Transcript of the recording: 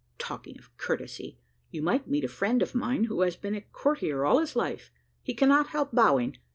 Talking of courtesy, you might meet a friend of mine, who has been a courtier all his life; he cannot help bowing.